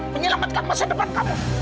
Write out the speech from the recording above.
menyelamatkan masa depan kamu